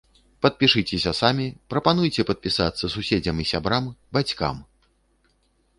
Падпішыцеся самі, прапануйце падпісацца суседзям і сябрам, бацькам!